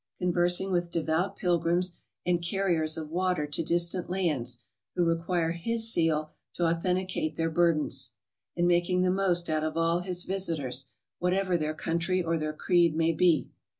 235 conversing with devout pilgrims and carriers of water to distant lands who require his seal to authenticate their burdens; and making the most out of all his visitors, whatever their country or their creed may be.